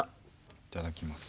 いただきます。